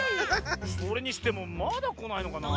それにしてもまだこないのかなぁ。